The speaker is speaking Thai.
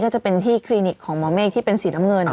ก็จะเป็นที่คลินิกของหมอเมฆที่เป็นสีน้ำเงิน